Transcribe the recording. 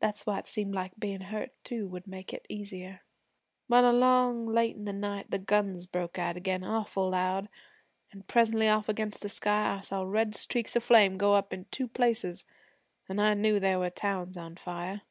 That's why it seemed like bein' hurt too would make it easier. 'Well, along late in the night, the guns broke out again awful loud, an' presently off against the sky I saw red streaks of flame go up in two places, an' I knew they were towns on fire.